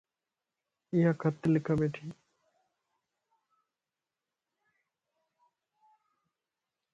ايا خطي لک ٻيھڻي